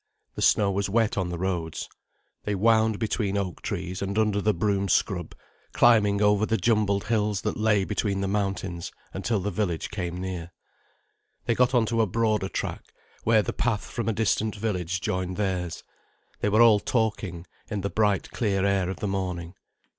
The snow was wet on the roads. They wound between oak trees and under the broom scrub, climbing over the jumbled hills that lay between the mountains, until the village came near. They got on to a broader track, where the path from a distant village joined theirs. They were all talking, in the bright clear air of the morning.